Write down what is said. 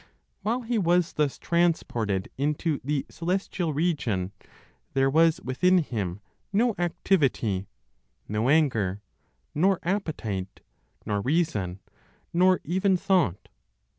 While he was thus transported into the celestial region, there was within him no activity, no anger, nor appetite, nor reason, nor even thought.